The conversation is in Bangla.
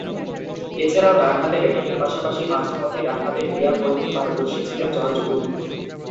এছাড়াও, ডানহাতে ব্যাটিংয়ের পাশাপাশি মাঝে-মধ্যে ডানহাতে মিডিয়াম বোলিংয়ে পারদর্শী ছিলেন জর্জ উড।